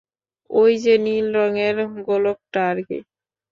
অই যে নীল রঙের গোলকটা আরকি!